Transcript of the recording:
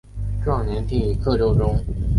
壮年听雨客舟中。